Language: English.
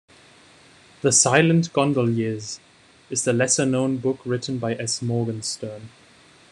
"The Silent Gondoliers" is the lesser-known book written by S. Morgenstern.